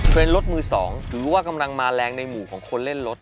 เป็นรถมือสองถือว่ากำลังมาแรงในหมู่ของคนเล่นรถ